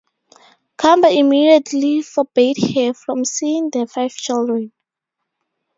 Combe immediately forbade her from seeing their five children.